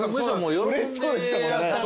うれしそうでしたもんね。